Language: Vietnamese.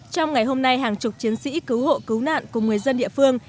trong ngày hôm nay hàng chục chiến sĩ cứu hộ cứu nạn cùng người dân địa phương